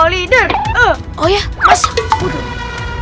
kalau ini karena yang terikat mont vorne lalu